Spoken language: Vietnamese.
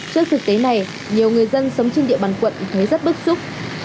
trước thực tế này nhiều người dân sống trên địa bàn quận thấy rất bức xúc